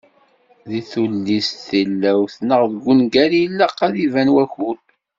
Deg tullist tilawt neɣ ungal ilaq ad iban wakud.